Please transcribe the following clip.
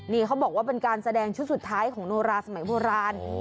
นี่เขาบอกว่าเป็นการแสดงชุดสุดท้ายของโนราสมัยโบราณ